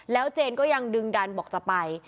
เจนก็ยังดึงดันบอกจะไป